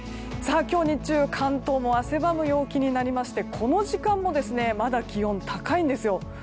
今日、日中関東も汗ばむ陽気になりましてこの時間もまだ気温が高いんですよ。